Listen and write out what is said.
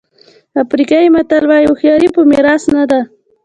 افریقایي متل وایي هوښیاري په میراث نه ده.